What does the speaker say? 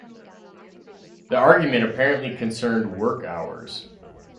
The argument apparently concerned work hours.